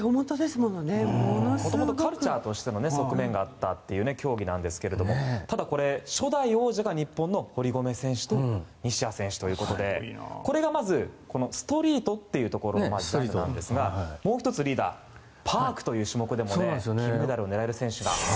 もともとカルチャーとしての側面があったという競技なんですがただ、初代王者が日本の堀米選手と西矢選手ということでこれがまず、ストリートという種目なんですがリーダー、もう１つパークという種目で金メダルが狙える選手が。